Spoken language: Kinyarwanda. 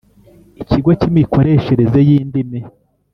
Ikigo cy imikoreshereze y indimi.